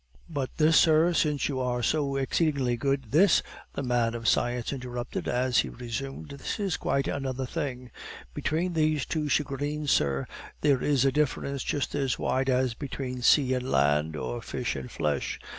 "But this, sir, since you are so exceedingly good " "This," the man of science interrupted, as he resumed, "this is quite another thing; between these two shagreens, sir, there is a difference just as wide as between sea and land, or fish and flesh.